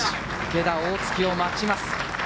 池田、大槻を待ちます。